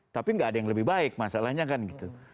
tapi nggak ada yang lebih baik masalahnya kan gitu